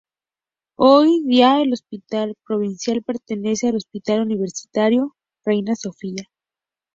Hoy día el Hospital Provincial pertenece al Hospital Universitario Reina Sofía.